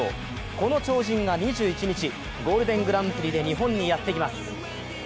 この超人が２１日ゴールデングランプリで日本にやってきます。